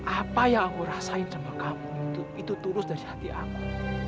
apa yang aku rasain sama kamu itu tulus dari hati aku